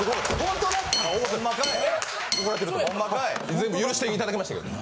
全部許していただきましたけどね。